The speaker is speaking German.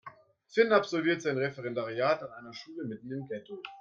Finn absolviert sein Referendariat an einer Schule mitten im Ghetto.